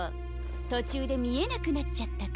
とちゅうでみえなくなっちゃったから。